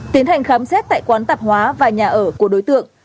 tiến hành khám xét tại quán tạp hóa và nhà ở của đối tượng